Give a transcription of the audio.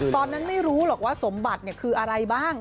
ตอนนั้นไม่รู้หรอกว่าสมบัติคืออะไรบ้าง